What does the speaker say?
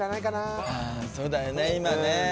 そうだよね今ね。